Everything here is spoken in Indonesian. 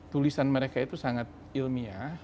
tulisan mereka itu sangat ilmiah